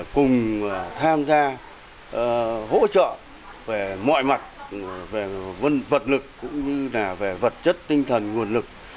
cùng tham gia hỗ trợ về mọi mặt về vật lực cũng như là về vật chất tinh thần nguồn lực